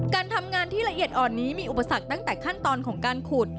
การทำงานที่ละเอียดอ่อนนี้มีอุปสรรคตั้งแต่ขั้นตอนของการขุด